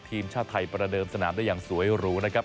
ทีมชาติไทยประเดิมสนามได้อย่างสวยหรูนะครับ